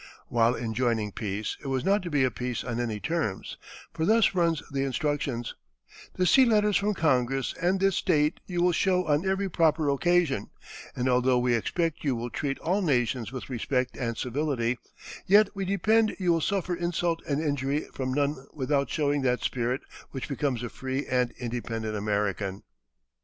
While enjoining peace, it was not to be a peace on any terms, for thus runs the instructions: "The sea letters from Congress and this State you will show on every proper occasion, and although we expect you will treat all nations with respect and civility, yet we depend you will suffer insult and injury from none without showing that spirit which becomes a free and independent American."